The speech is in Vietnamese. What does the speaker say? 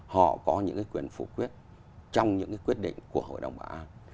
họ có những quyền phụ quyết trong những quyết định của hội đồng bà an